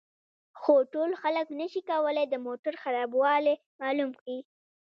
خو ټول خلک نشي کولای د موټر خرابوالی معلوم کړي